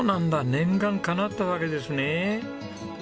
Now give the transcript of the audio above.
念願かなったわけですね。